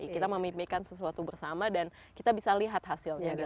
kita memimpikan sesuatu bersama dan kita bisa lihat hasilnya di lapangan